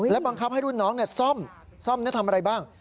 บังคับให้รุ่นน้องซ่อมซ่อมทำอะไรบ้าง